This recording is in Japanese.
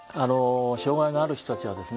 障害がある人たちはですね